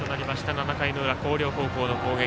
７回の裏、広陵の攻撃。